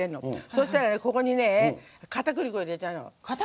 そしたら、ここにかたくり粉入れちゃうの。